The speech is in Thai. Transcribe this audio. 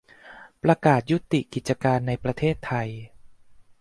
ประกาศยุติกิจการในประเทศไทย